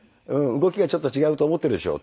「動きがちょっと違うと思っているでしょ？」